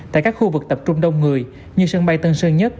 tại các khu vực tập trung đông người như sân bay tân sơn nhất